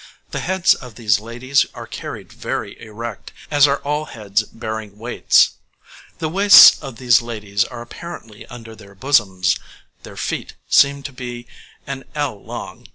The heads of these ladies are carried very erect, as are all heads bearing weights. The waists of these ladies are apparently under their bosoms; their feet seem to be an ell long.